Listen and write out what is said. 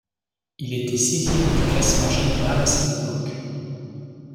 Il était sixième du classement général à cette époque.